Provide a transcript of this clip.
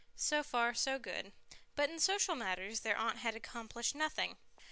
So far so good, but in social matters their aunt had accomplished nothing.